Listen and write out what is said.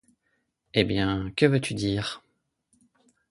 Eh bien, que veux-tu dire ?